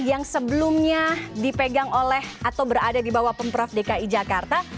yang sebelumnya dipegang oleh atau berada di bawah pemprov dki jakarta